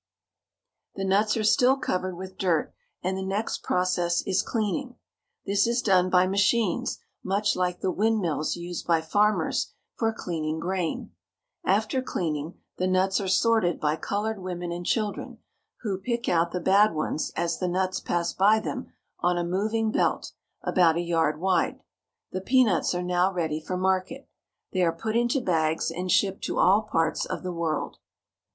The nuts are still covered with dirt, and the next proc ess is cleaning. This is done by machines much like the windmills used by farmers for cleaning grain. After clean ing, the nuts are sorted by colored women and children, who pick out the bad ones as the nuts pass by them on a moving belt about a yard wide. The peanuts are now ready for market. They are put into bags and shipped to all parts of the world.